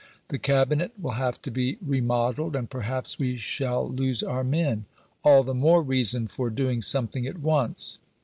The Cabinet will have to be remodelled, and perhaps we shall lose our men. All the more reason for doing something at once."